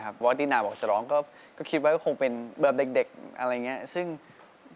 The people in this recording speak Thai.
เพราะว่าตินาบอกจะร้องก็คิดไว้ก็คงเป็นแบบเด็กอะไรอย่างนี้ซึ่ง